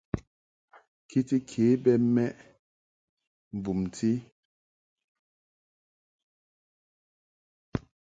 Kiti ke bɛ mɛʼ mbumti.